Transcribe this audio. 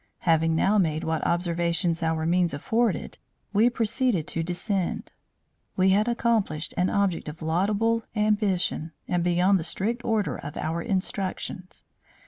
Having now made what observations our means afforded, we proceeded to descend. We had accomplished an object of laudable ambition, and beyond the strict order of our instructions.